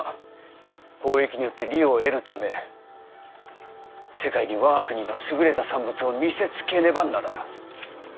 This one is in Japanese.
交易によって利を得るため世界に我が国の優れた産物を見せつけねばならぬ。